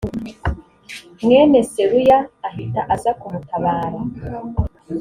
mwene seruya ahita aza kumutabara